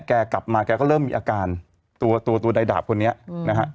แกกลับมาแกก็เริ่มมีอาการตัวตัวนายดาบคนนี้นะฮะ